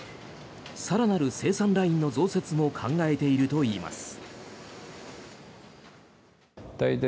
更なる生産ラインの増設も考えているといいます。